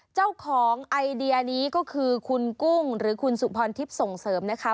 เจ้าของไอเดียนี้ก็คือคุณกุ้งหรือคุณสุพรทิพย์ส่งเสริมนะคะ